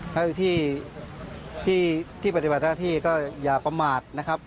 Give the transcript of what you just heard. ให้ที่ปฏิบัติธรรมที่ก็อย่าประมาทนะครับ